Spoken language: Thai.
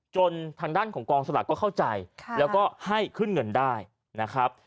ทางด้านของกองสลากก็เข้าใจแล้วก็ให้ขึ้นเงินได้นะครับ